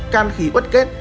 can khí bất kết